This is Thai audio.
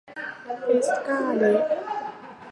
เอสก้า เละ